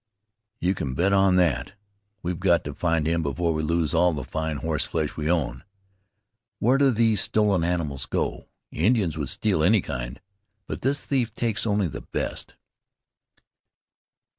"You can bet on that. We've got to find him before we lose all the fine horse flesh we own. Where do these stolen animals go? Indians would steal any kind; but this thief takes only the best."